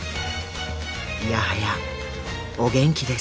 いやはやお元気です。